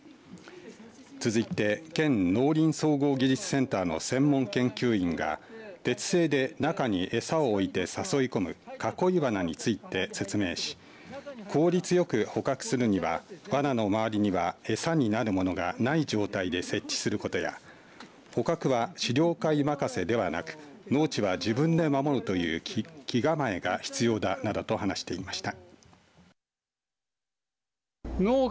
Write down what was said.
続いて県農林総合技術センターの専門研究員が鉄製で中に餌を置いて誘い込む囲いわなについて説明し効率よく捕獲するにはわなの周りには餌になるものがない状態で設置することや捕獲は狩猟会任せではなく農地は自分で守るという気構えが必要だなどと話していました。